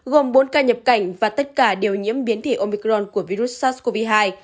gồm bốn ca nhập cảnh và tất cả đều nhiễm biến thể omicron của virus sars cov hai